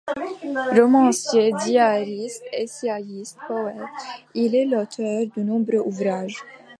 Romancier, diariste, essayiste, poète, il est l'auteur de nombreux ouvrages.